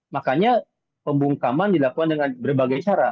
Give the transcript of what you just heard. makanya pembungkaman dilakukan dengan berbagai cara